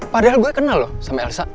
padahal gue kenal loh sama elsa